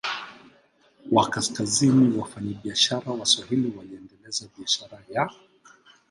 wa Kaskazini Wafanyabiashara Waswahili waliendeleza biashara ya